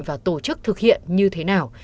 và tổ chức thực hiện như thế nào